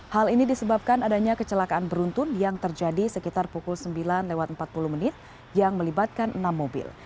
hal ini disebabkan adanya kecelakaan beruntun yang terjadi sekitar pukul sembilan lewat empat puluh menit yang melibatkan enam mobil